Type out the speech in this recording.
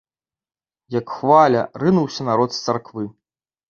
Як хваля, рынуўся народ з царквы.